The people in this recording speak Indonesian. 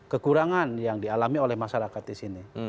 kekurangan yang dialami oleh masyarakat disini